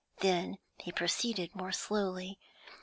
Then he proceeded more slowly.